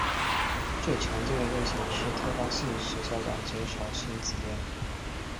最常见的类型是特发性血小板减少性紫癜。